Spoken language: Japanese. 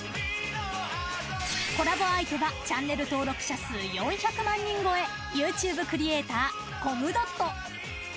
コラボ相手はチャンネル登録者数４００万人超えＹｏｕＴｕｂｅクリエイターコムドット。